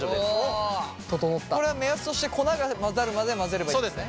これは目安として粉が混ざるまで混ぜればいいんですね。